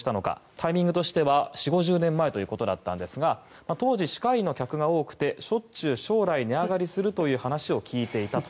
タイミングとしては４０５０年前だったということなんですが当時、歯科医の客が多くてしょっちゅう将来値上がりするという話を聞いていたと。